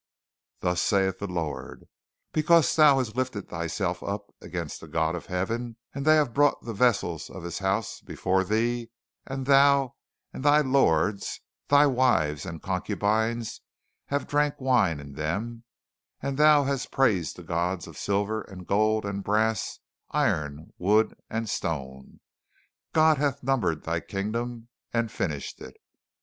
"Thus saith the Lord: Because thou hast lifted thyself up against the God of Heaven, and they have brought the vessels of His house before thee, and thou and thy Lords, thy wives and concubines, have drank wine in them, and thou hast praised the gods of silver and gold, of brass, iron, wood, and stone ... God hath numbered thy Kingdom and finished it.